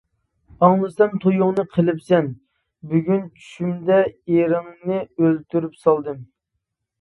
ئاڭلىسام تويۇڭنى قىلىپسەن بۈگۈن، چۈشۈمدە ئېرىڭنى ئۆلتۈرۈپ سالدىم!